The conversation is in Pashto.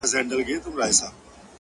• چي په کلي کي غوايي سره په جنګ سي,